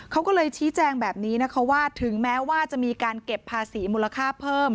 เขาก็เลยชี้แจงแบบนี้นะคะว่าถึงแม้ว่าจะมีการเก็บภาษีมูลค่าเพิ่ม